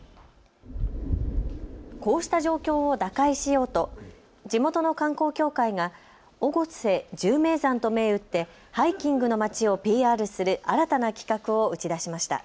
こうした状況を打開しようと地元の観光協会が越生１０名山と銘打ってハイキングのまちをＰＲする新たな企画を打ち出しました。